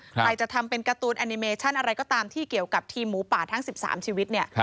ใครจะทำเป็นการ์ตูนแอนิเมชั่นอะไรก็ตามที่เกี่ยวกับทีมหมูป่าทั้ง๑๓ชีวิตเนี่ย